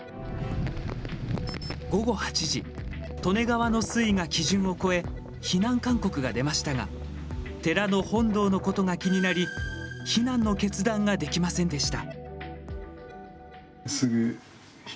午後８時利根川の水位が基準を超え避難勧告が出ましたが寺の本堂のことが気になり避難の決断ができませんでした。